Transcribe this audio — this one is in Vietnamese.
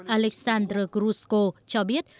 aleksandr grushko cho biết